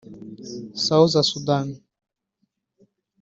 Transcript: South Sudan